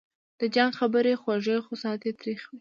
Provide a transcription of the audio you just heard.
د جنګ خبري خوږې خو ساعت یې تریخ وي